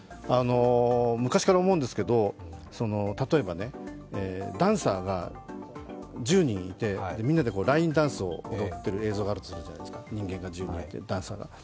昔から思うんですけど例えばダンサーが１０人いてみんなでラインダンスを踊っている映像があるじゃないですか、人間が１０人いて。